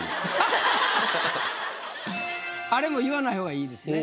あれも言わない方がいいですね。